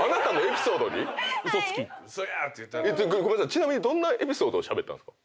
ちなみにどんなエピソードをしゃべったんですか？